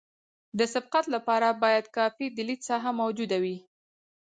د سبقت لپاره باید کافي د لید ساحه موجوده وي